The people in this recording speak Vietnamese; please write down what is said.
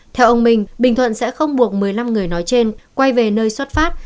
theo ông minh bình thuận sẽ không buộc một mươi năm người nói trên quay về nơi xuất phát